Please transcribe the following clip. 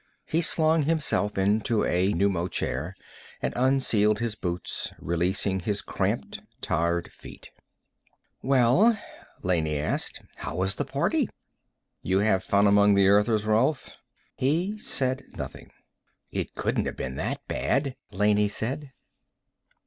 He slung himself into a pneumochair and unsealed his boots, releasing his cramped, tired feet. "Well," Laney asked. "How was the party?" "You have fun among the Earthers, Rolf?" He said nothing. "It couldn't have been that bad," Laney said.